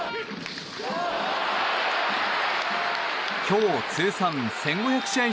今日、通算１５００試合